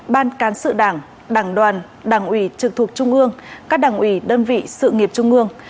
ban cán sự đảng đảng đoàn đảng ủy trực thuộc trung ương các đảng ủy đơn vị sự nghiệp trung ương